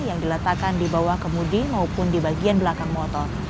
yang diletakkan di bawah kemudi maupun di bagian belakang motor